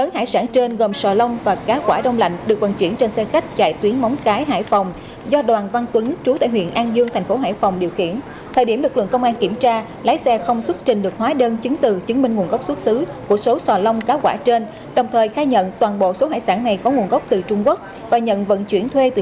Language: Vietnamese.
hãy đăng ký kênh để ủng hộ kênh của mình nhé